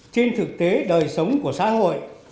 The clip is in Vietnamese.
trên thực tế đời sống của xã hội